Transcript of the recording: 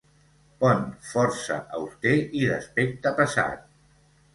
Pont força auster i d'aspecte pesat.